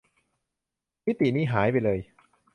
มิตินี้หายไปเลย